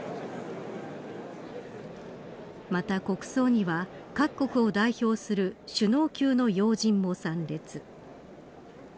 また国葬には、各国を代表する首脳級の要人も参列。